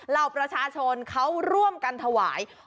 เหล่าประชาชนเขาร่วมกันถวาย